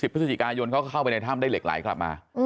พฤศจิกายนเขาก็เข้าไปในถ้ำได้เหล็กไหลกลับมา